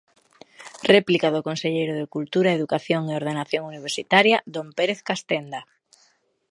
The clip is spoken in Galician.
Réplica do conselleiro de Cultura, Educación e Ordenación Universitaria, don Pérez Castenda.